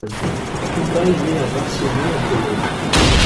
Krupa est née à Varsovie, en Pologne.